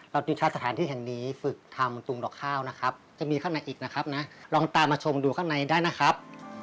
จึงใช้สถานที่แห่งนี้ฝึกทำตุงดอกข้าวนะครับจะมีข้างในอีกนะครับนะลองตามมาชมดูข้างในได้นะครับ